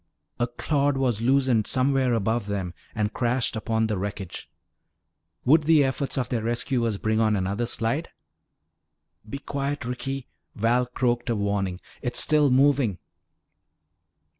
A clod was loosened somewhere above them and crashed upon the wreckage. Would the efforts of their rescuers bring on another slide? "Be quiet, Ricky," Val croaked a warning, "it's still moving."